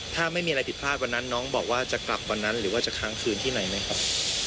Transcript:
ถ้าไม่มีอะไรผิดพลาดวันนั้นน้องบอกว่าจะกลับวันนั้นหรือว่าจะค้างคืนที่ไหนไหมครับ